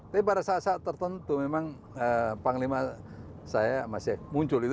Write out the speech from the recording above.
tapi pada saat saat tertentu memang panglima saya masih muncul itu